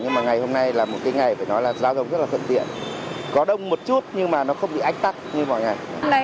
nhưng mà hôm nay cũng không nghĩ đến tắc đường chỉ nghĩ là đi sớm để khai giảng thôi